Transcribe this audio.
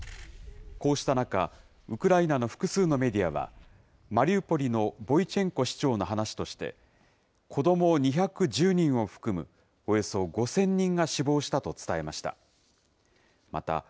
こうした中、ウクライナの複数のメディアは、マリウポリのボイチェンコ市長の話として、子ども２１０人を含むおよそ５０００人が死亡したと伝えました。